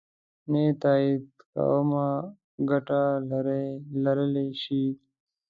نه یې تایید کومه ګټه لرلای شي.